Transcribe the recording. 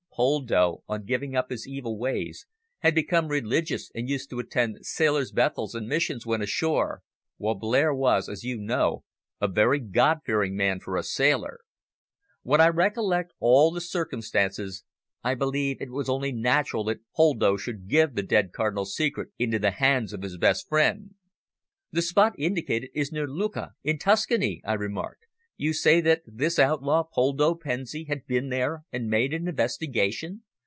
Poldo, on giving up his evil ways, had become religious and used to attend sailors' Bethels and missions when ashore, while Blair was, as you know, a very God fearing man for a sailor. When I recollect all the circumstances, I believe it was only natural that Poldo should give the dead Cardinal's secret into the hands of his best friend." "The spot indicated is near Lucca in Tuscany," I remarked. "You say that this outlaw, Poldo Pensi, had been there and made an investigation.